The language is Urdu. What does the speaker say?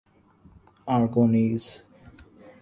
اراگونیز